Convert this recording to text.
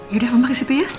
yaudah mama kesitu ya